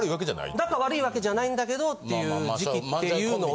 仲悪いわけじゃないんだけどっていう時期っていうのは。